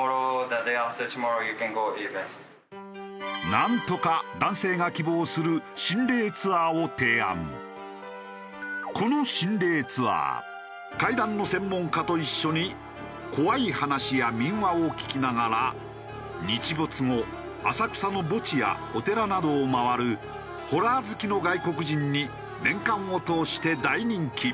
なんとかこの心霊ツアー怪談の専門家と一緒に怖い話や民話を聞きながら日没後浅草の墓地やお寺などを回るホラー好きの外国人に年間を通して大人気。